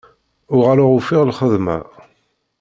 Uɣaleɣ ufiɣ lxedma.